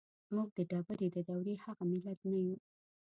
موږ د ډبرې د دورې هغه ملت نه يو.